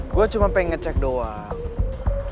gue cuma pengen ngecek doang